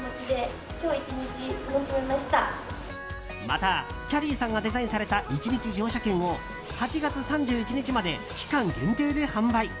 また、きゃりーさんがデザインされた１日乗車券を８月３１日まで期間限定で販売。